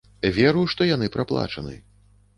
Веру, што яны праплачаны.